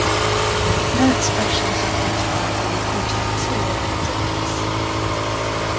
No expression was identified in the cortex or epidermis.